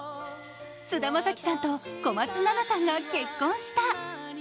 菅田将暉さんと小松菜奈さんが結婚した。